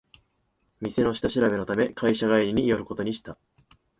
店の下調べのため会社帰りに寄ることにした